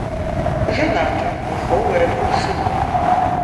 Жанаты, выхоўвае двух сыноў.